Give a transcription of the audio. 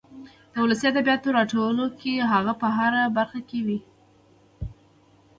د ولسي ادبياتو راټولو که هغه په هره برخه کې وي.